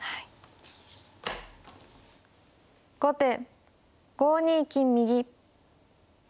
後手５二金右。